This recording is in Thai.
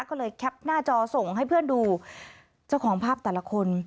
ก็เลยแคปหน้าจอส่งให้เพื่อนดูเจ้าของภาพแต่ละคน